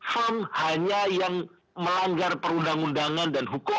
firm hanya yang melanggar perundang undangan dan hukum